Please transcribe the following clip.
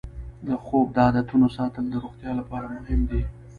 د خوب د عادتونو ساتل د روغتیا لپاره مهم دی.